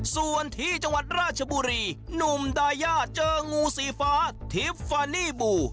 ส่วนที่จังหวัดราชบุรีหนุ่มดายาเจองูสีฟ้าทิฟฟานี่บู